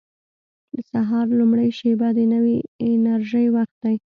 • د سهار لومړۍ شېبه د نوې انرژۍ وخت دی.